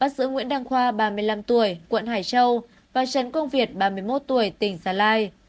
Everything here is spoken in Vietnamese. bắt giữ nguyễn đăng khoa ba mươi năm tuổi quận hải châu và trấn quang việt ba mươi một tuổi tỉnh gia lai